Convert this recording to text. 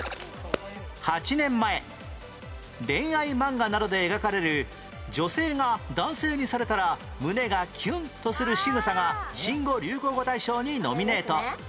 ８年前恋愛漫画などで描かれる女性が男性にされたら胸がキュンとするしぐさが新語・流行語大賞にノミネート